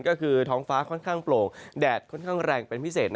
ก็คือท้องฟ้าค่อนข้างโปร่งแดดค่อนข้างแรงเป็นพิเศษ